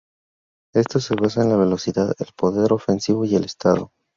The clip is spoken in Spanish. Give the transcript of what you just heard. Esto se basa en la velocidad, el poder ofensivo y el estado.